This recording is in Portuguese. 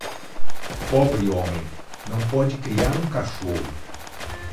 Pobre homem não pode criar um cachorro.